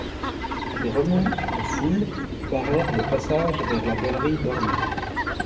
Des remous de foule barrèrent le passage vers la galerie d'Orléans.